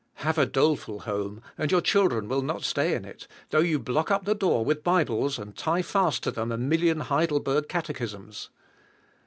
Have a doleful home and your children will not stay in it, though you block up the door with Bibles, and tie fast to them a million Heidelberg catechisms.